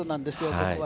ここは。